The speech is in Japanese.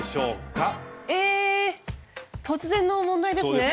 突然の問題ですね。